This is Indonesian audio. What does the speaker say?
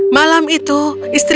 malam itu istrinya tidak tidur